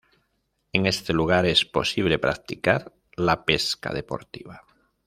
En este lugar es posible practicar la pesca deportiva.